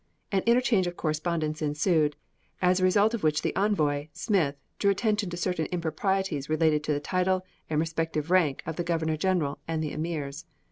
An interchange of correspondence ensued, as a result of which the envoy, Smith, drew attention to certain improprieties relating to the title and respective rank of the Governor General and the emirs.